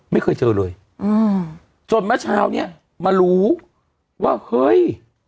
ไม่เคยเจอเลยอืมจนเมื่อเช้าเนี้ยมารู้ว่าเฮ้ย